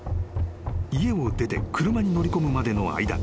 ［家を出て車に乗り込むまでの間］